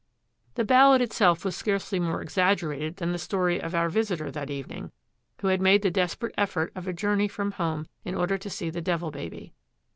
The ballad itself was scarcely more exaggerated than the story of our visitor that evening, who had made the desperate effort of a journey from home in order to see the Devil Baby.